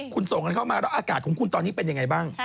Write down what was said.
คุณส่งกันเข้ามาแล้วอากาศของคุณตอนนี้เป็นยังไงบ้าง